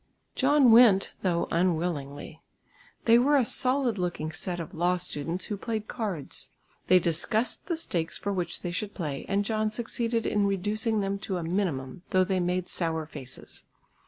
John went though unwillingly. They were a solid looking set of law students who played cards. They discussed the stakes for which they should play, and John succeeded in reducing them to a minimum, though they made sour faces.